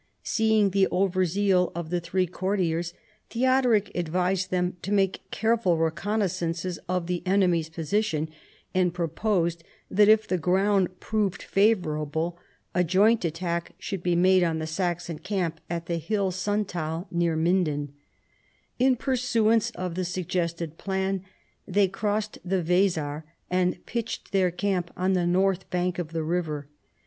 Seeing the over zeal of the three courtiers, Theodoric advised them to make careful reconnaissances of the enemy's position, and proposed that, if the ground proved favorable, a joint attack should be made on the Saxon camp at the hill Suntal, near Minden, In pursuance of the suggested plan, they crossed the Weser and pitched their camp on the north bank of the river.